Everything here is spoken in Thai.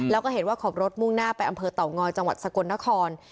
แล้วก็เห็นว่าขับรถมุ่งหน้าไปอำเภอเต่างอยจังหวัดสกลนคร